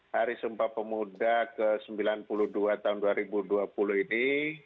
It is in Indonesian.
hari sumpah pemuda ke sembilan puluh dua tahun dua ribu dua puluh ini